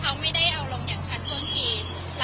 เขาไม่ได้เอาลงอย่างทันต้นกีด